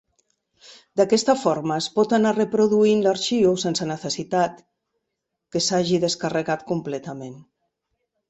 D'aquesta forma es pot anar reproduint l'arxiu sense necessitat que s'hagi descarregat completament.